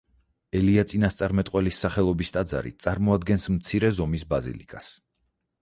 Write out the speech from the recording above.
ელია წინასწარმეტყველის სახელობის ტაძარი წარმოადგენს მცირე ზომის ბაზილიკას.